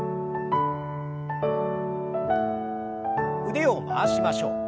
腕を回しましょう。